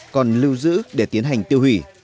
còn lưu giữ để tiến hành tiêu hủy